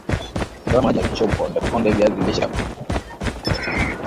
Ondoa maji na kisha ukipondeponde viazi lishe vyako